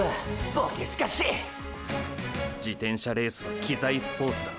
ボケスカシ自転車レースは機材スポーツだ。